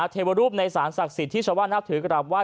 เทวรูปในสารศักดิ์สิทธิ์ที่ชาวบ้านนับถือกราบไห้